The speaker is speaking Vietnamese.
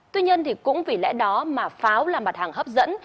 tuy nhiên thì cũng vì lẽ đó mà pháo là mặt hàng hấp dẫn